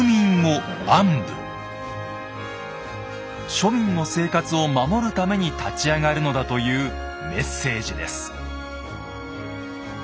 庶民の生活を守るために立ち上がるのだというメッセージです。